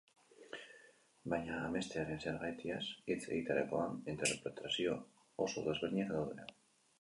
Baina amestearen zergatiaz hitz egiterakoan, interpretazio oso desberdinak daude.